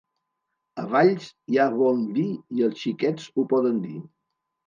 A Valls hi ha bon vi i els Xiquets ho poden dir.